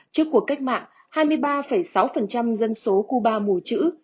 trước cuộc cách mạng hai mươi ba sáu dân số cuba mù chữ